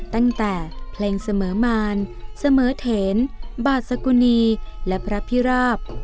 ตั้งแต่เพลงเสมอมารเสมอเถนบาสกุณีและพระพิราบ